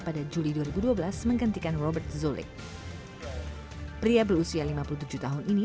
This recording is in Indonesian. pasar pekerjaan memulai bisnis mereka sendiri